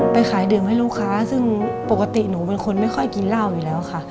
ขายดื่มให้ลูกค้าซึ่งปกติหนูเป็นคนไม่ค่อยกินเหล้าอยู่แล้วค่ะ